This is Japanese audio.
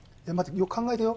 よく考えてよ。